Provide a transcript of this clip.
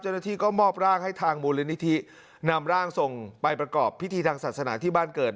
เจ้าหน้าที่ก็มอบร่างให้ทางมูลนิธินำร่างส่งไปประกอบพิธีทางศาสนาที่บ้านเกิด